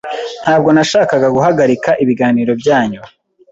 Ntabwo nashakaga guhagarika ibiganiro byanyu.